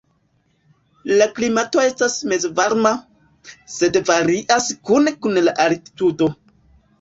La klimato estas mezvarma, sed varias kune kun la altitudo.